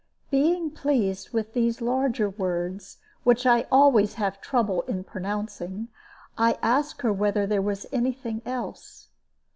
Being pleased with these larger words (which I always have trouble in pronouncing), I asked her whether there was any thing else.